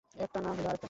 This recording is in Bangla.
একটা না হলে আরেকটা।